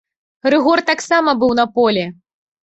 Рыгор таксама быў на полі.